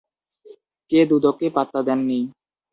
কে দুদককে পাত্তা দেননি?